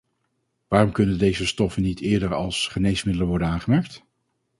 Waarom kunnen deze stoffen niet eerder als geneesmiddelen worden aangemerkt?